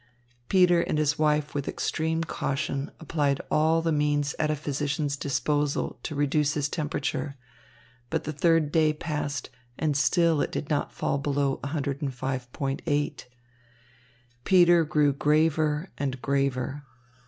Peter and his wife with extreme caution applied all the means at a physician's disposal to reduce his temperature; but the third day passed, and still it did not fall below 105.8°. Peter grew graver and graver.